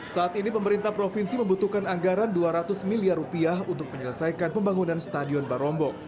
saat ini pemerintah provinsi membutuhkan anggaran dua ratus miliar rupiah untuk menyelesaikan pembangunan stadion barombong